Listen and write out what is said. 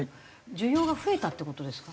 需要が増えたって事ですか？